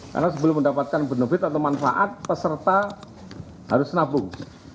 karena sebelum mendapatkan benufit atau manfaat peserta harus nabung